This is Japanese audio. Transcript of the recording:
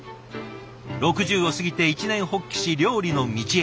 ６０を過ぎて一念発起し料理の道へ。